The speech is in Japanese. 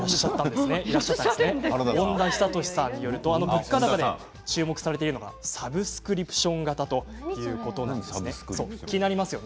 恩田ひさとしさんによると物価高の今年、注目されてるのがサブスクリプション型ということです。